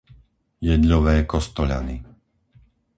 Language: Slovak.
Jedľové Kostoľany